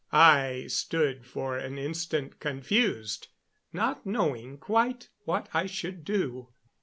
I stood for an instant, confused, not knowing quite what I should do.